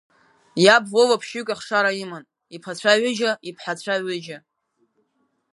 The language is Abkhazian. Иаб Вова ԥшьҩык ахшара иман, иԥацәа ҩыџьа, иԥҳацәа ҩыџьа.